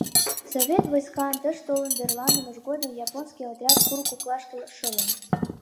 Совет войскан тыш толын верланымыж годым японский отряд курык коклашке шылын.